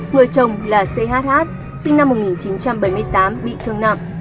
người chồng là chh sinh năm một nghìn chín trăm bảy mươi tám bị thương nặng